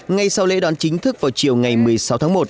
ngay sau lễ đón chính thức vào chiều ngày một mươi sáu tháng một